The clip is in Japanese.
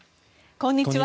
こんにちは。